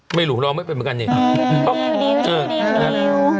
ทำให้ไหมครับไม่รู้เนอะน้องมันยังไม่เป็นเหมือนกันเนี่ย